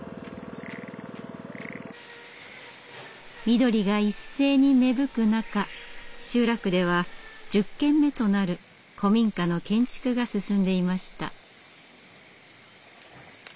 緑が一斉に芽吹く中集落では１０軒目となる古民家の建築が進んでいました。